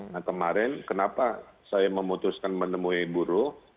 nah kemarin kenapa saya memutuskan menemui buruh